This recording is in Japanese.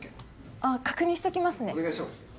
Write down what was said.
ああー確認しときますねお願いします